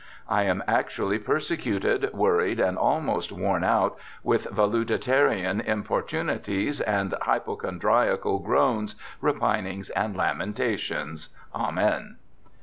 I am actually persecuted, worried, and almost worn out with valetudinarian importunities and hypochondriacal groans, repinings, and lamentations — Amen.'